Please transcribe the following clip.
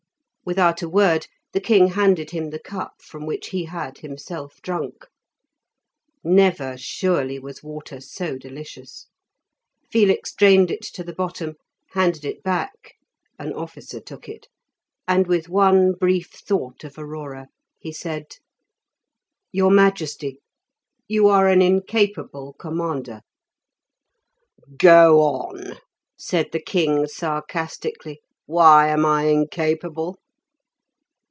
Without a word the king handed him the cup from which he had himself drunk. Never, surely, was water so delicious. Felix drained it to the bottom, handed it back (an officer took it), and with one brief thought of Aurora, he said: "Your majesty, you are an incapable commander." "Go on," said the king sarcastically; "why am I incapable?"